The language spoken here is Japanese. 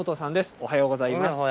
おはようございます。